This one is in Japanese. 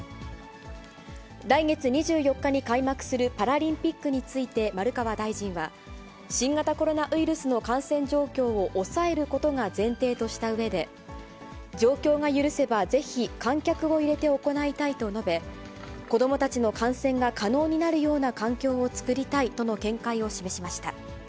来月２４日に開幕するパラリンピックについて丸川大臣は、新型コロナウイルスの感染状況を抑えることが前提としたうえで、状況が許せばぜひ観客を入れて行いたいと述べ、子どもたちの観戦が可能になるような環境を作りたいとの見解を示しました。